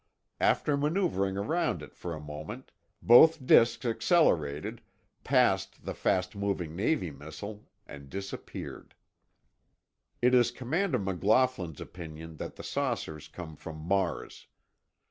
After maneuvering around it for a moment, both disks accelerated, passed the fast moving Navy missile, and disappeared. It is Commander McLaughlin's opinion that the saucers come from Mars.